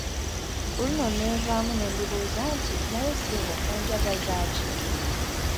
Ku luno neevaamu ne ndibuuza nti naye ssebo onjagaza ki?